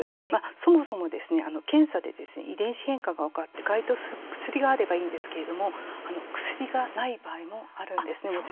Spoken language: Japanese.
そもそも検査で遺伝子変化が分かって該当する薬があればいいのですが薬が、ない場合があるんです。